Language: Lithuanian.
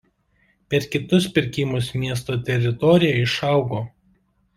Per kitus pirkimus miesto teritorija išaugo.